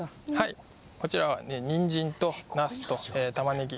こちらはにんじんと、なすとたまねぎ。